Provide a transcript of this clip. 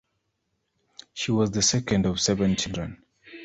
She was the second of seven children.